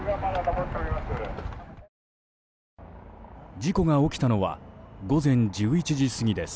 事故が起きたのは午前１１時過ぎです。